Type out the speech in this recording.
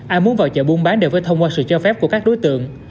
ai muốn vào chợ buôn bán đều phải thông qua sự cho phép của các đối tượng